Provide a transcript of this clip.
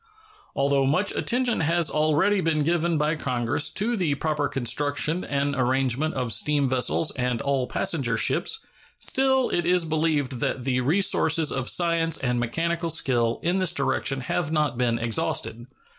Although much attention has already been given by Congress to the proper construction and arrangement of steam vessels and all passenger ships, still it is believed that the resources of science and mechanical skill in this direction have not been exhausted.